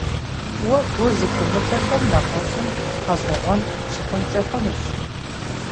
Уэ гу зылъумытэхэм нэгъуэщӀым гъэщӏэгъуэн щыхъункӏэ хъунущ.